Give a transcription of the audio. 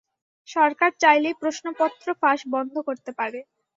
সরকার চাইলেই প্রশ্নপত্র ফাঁস বন্ধ করতে পারে।